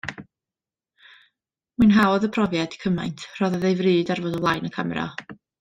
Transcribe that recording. Mwynhaodd y profiad, cymaint, rhoddodd ei fryd ar fod o flaen y camera.